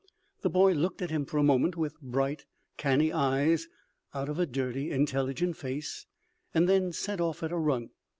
The boy looked at him for a moment with bright, canny eyes out of a dirty, intelligent face, and then set off at a run.